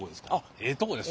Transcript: ええとこですよね。